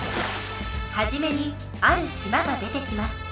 はじめにある島が出てきます。